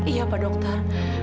iya pak dokter